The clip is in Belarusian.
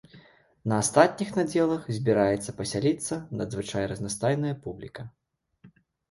На астатніх надзелах збіраецца пасяліцца надзвычай разнастайная публіка.